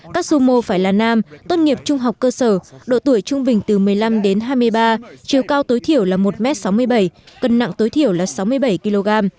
các du mô phải là nam tốt nghiệp trung học cơ sở độ tuổi trung bình từ một mươi năm đến hai mươi ba chiều cao tối thiểu là một m sáu mươi bảy cân nặng tối thiểu là sáu mươi bảy kg